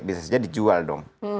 biasanya dijual dong